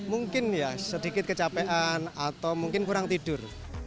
mungkin ya sedikit kecapean atau mungkin kurang tidur